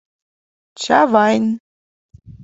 «ЧАВАЙН